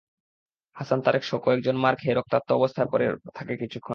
হাসান তারেকসহ কয়েকজন মার খেয়ে রক্তাক্ত অবস্থায় রাস্তায় পড়ে থাকেন কিছুক্ষণ।